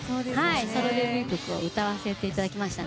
ソロデビュー曲を歌わせていただきました。